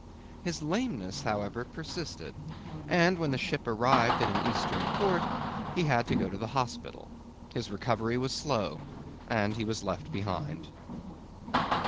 His lameness, however, persisted, and when the ship arrived at an Eastern port he had to go to the hospital. His recovery was slow, and he was left behind.